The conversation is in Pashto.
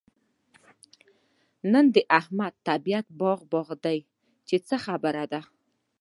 نن د احمد طبيعت باغ باغ دی؛ چې څه خبره ده؟